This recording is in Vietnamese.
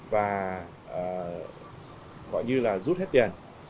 và gọi như là rút hết tiền